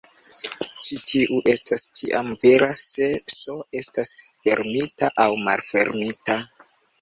Ĉi tiu estas ĉiam vera se "S" estas fermita aŭ malfermita.